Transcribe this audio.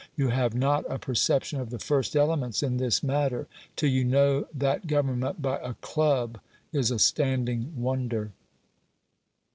You have not a perception of the first elements in this matter till you know that government by a CLUB is a standing wonder.